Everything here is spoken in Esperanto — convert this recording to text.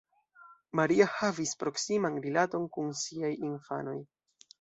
Maria havis proksiman rilaton kun siaj infanoj.